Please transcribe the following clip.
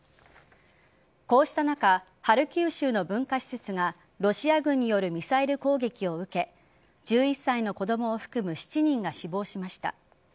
こうした中ハルキウ州の文化施設がロシア軍によるミサイル攻撃を受け１１歳の子供を含む７人が死亡しました。